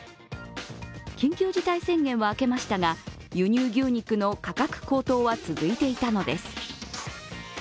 緊急事態宣言は明けましたが、輸入牛肉の価格高騰は続いていたのです。